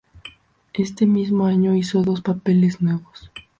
Este mismo año, hizo dos papeles nuevos.